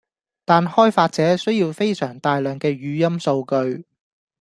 但開發者需要非常大量既語音數據